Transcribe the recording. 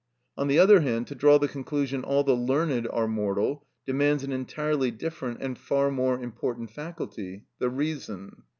On the other hand, to draw the conclusion, "All the learned are mortal," demands an entirely different and far more important faculty—the reason.